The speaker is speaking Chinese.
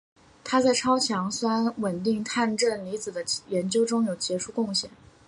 他在超强酸稳定碳正离子的研究中有杰出贡献。